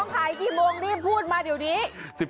ขายกี่โมงรีบพูดมาเดี๋ยวนี้